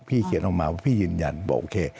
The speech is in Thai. เขียนออกมาว่าพี่ยืนยันบอกโอเค